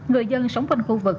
người dân sống bên khu vực